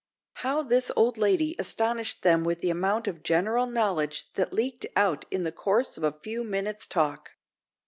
How this old lady astonished them with the amount of general knowledge that leaked out in the course of a few minutes' talk.